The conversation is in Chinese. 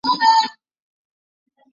冷却室内设有散热器和风扇。